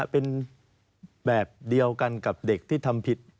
เป็นแบบเดียวกันกับเด็กที่ทำผิด